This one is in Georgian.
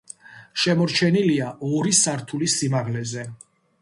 შემორჩენილია ორი სართულის სიმაღლეზე.